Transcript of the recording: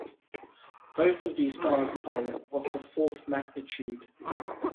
Both of these stars are of the fourth magnitude.